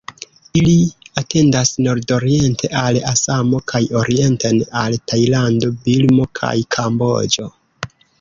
Ili etendas nordoriente al Asamo kaj orienten al Tajlando, Birmo kaj Kamboĝo.